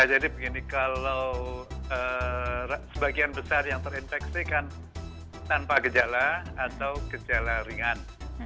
jadi begini kalau sebagian besar yang terinfeksi kan tanpa gejala atau gejala ringan